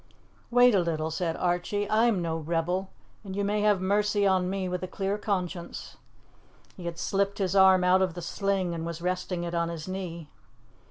"Wait a little," said Archie. "I am no rebel, and you may have mercy on me with a clear conscience." He had slipped his arm out of the sling and was resting it on his knee.